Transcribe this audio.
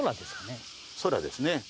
空ですね。